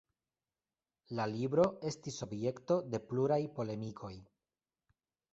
La libro estis objekto de pluraj polemikoj.